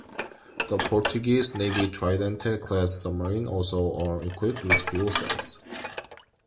The Portuguese Navy Tridente-class submarine also are equipped with fuel cells.